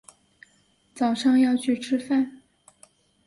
早上要去吃饭